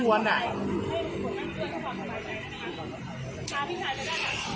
มันไม่ควรอ่ะ